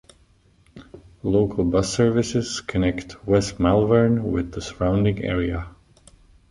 Local bus services connect West Malvern with the surrounding area.